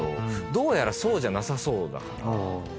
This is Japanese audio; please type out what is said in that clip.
どうやらそうじゃなさそうだから。